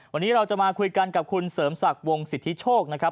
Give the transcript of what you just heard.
วันนี้เราจะมาคุยกันกับคุณเสริมศักดิ์วงสิทธิโชคนะครับ